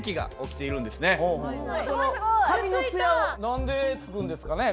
何でつくんですかね？